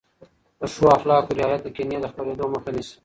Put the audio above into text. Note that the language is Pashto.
د ښو اخلاقو رعایت د کینې د خپرېدو مخه نیسي.